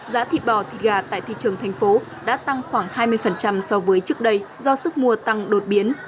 giá thịt bò thịt gà tại thị trường thành phố đã tăng khoảng hai mươi so với trước đây do sức mua tăng đột biến